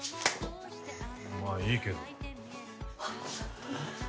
まあいいけど。